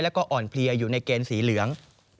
แล้วก็อ่อนเพลียอยู่ในเกณฑ์สีเหลือง